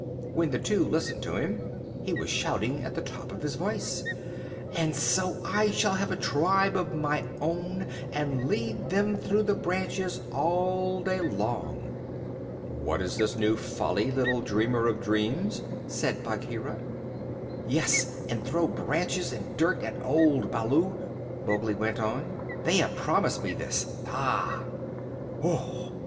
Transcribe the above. When the two listened to him he was shouting at the top of his voice, "And so I shall have a tribe of my own, and lead them through the branches all day long." "What is this new folly, little dreamer of dreams?" said Bagheera. "Yes, and throw branches and dirt at old Baloo," Mowgli went on. "They have promised me this. Ah!"